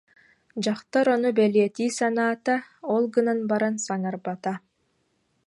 Дьахтар ону бэлиэтии санаата, ол гынан баран саҥарбата